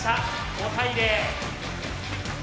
５対０。